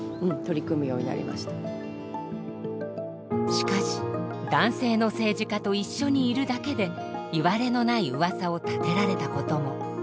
しかし男性の政治家と一緒にいるだけでいわれのないうわさを立てられたことも。